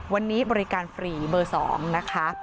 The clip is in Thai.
วันนี้บริการฟรีเบอร์๒นะคะ